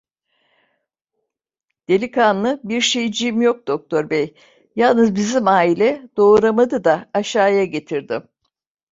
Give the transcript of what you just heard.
Delikanlı: "Bir şeyciğim yok doktor bey… Yalnız bizim aile… doğuramadı da… Aşağıya getirdim."